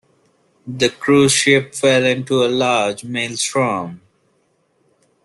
The cruise ship fell into a large Maelstrom.